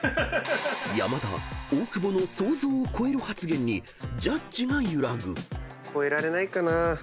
［山田大久保の「想像を超えろ」発言にジャッジが揺らぐ］超えられないかな？